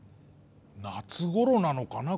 夏ごろなのかな？